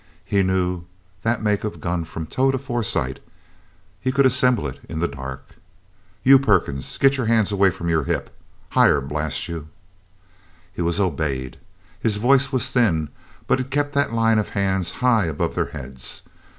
He knew that make of gun from toe to foresight; he could assemble it in the dark. "You, Perkins! Get your hands away from your hip. Higher, blast you!" He was obeyed. His voice was thin, but it kept that line of hands high above their heads.